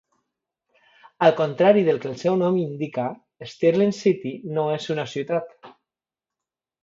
Al contrari del que el seu nom indica, Stirling City no és una ciutat.